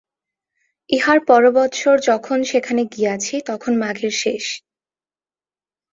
ইহার পরবৎসর যখন সেখানে গিয়াছি তখন মাঘের শেষ।